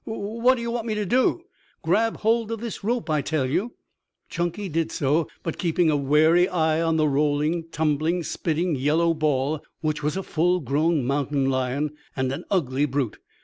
"Wh what do you want me to do?" "Grab hold of this rope, I tell you." Chunky did so, but keeping a wary eye on the rolling, tumbling, spitting yellow ball, which was a full grown mountain lion, and an ugly brute.